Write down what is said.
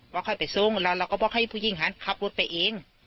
ค่อยไปส่งแล้วเราก็บอกให้ผู้หญิงหันขับรถไปเอง